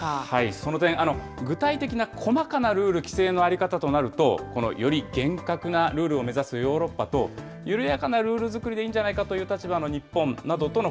その点、具体的な細かなルール、規制の在り方となると、より厳格なルールを目指すヨーロッパと、緩やかなルール作りでいいんじゃないかという立場の日本などとの